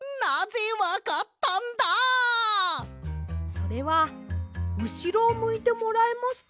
それはうしろをむいてもらえますか？